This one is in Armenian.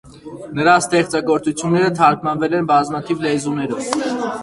Նրա ստեղծագործությունները թարգմանվել են բազմաթիվ լեզուներով։